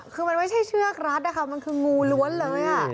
คือมันไม่ใช่เชือกรัดนะคะมันคืองูล้วนเลย